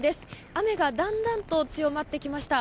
雨がだんだんと強まってきました。